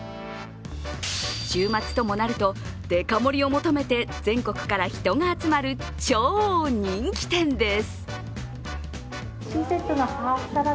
週末ともなるとデカ盛りを求めて全国から人が集まる超人気店です。